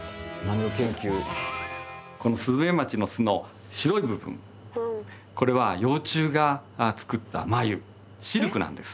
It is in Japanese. このスズメバチの巣の白い部分これは幼虫が作った繭シルクなんです。